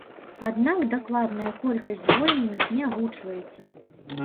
Аднак дакладная колькасць звольненых не агучваецца.